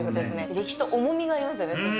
歴史と重みがありますね。